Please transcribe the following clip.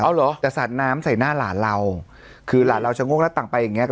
เอาเหรอแต่สาดน้ำใส่หน้าหลานเราคือหลานเราชะโงกแล้วต่างไปอย่างเงี้